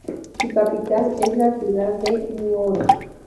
Su capital es la ciudad de Nuoro.